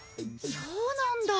そうなんだ！